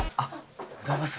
おはようございます。